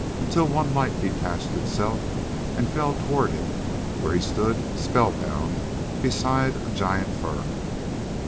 until one light detached itself and fell toward him where he stood spellbound beside a giant fern.